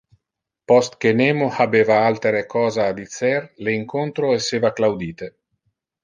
Post que nemo habeva altere cosa a dicer, le incontro esseva claudite.